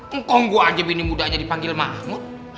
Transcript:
engkong gue aja bini muda aja dipanggil mahmud